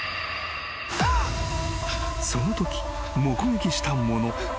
［そのとき目撃したもの。